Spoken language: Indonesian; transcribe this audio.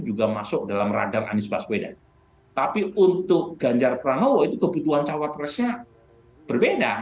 juga masuk dalam radang anies baswedan tapi untuk ganjar pranowo itu kebutuhan cawapresnya berbeda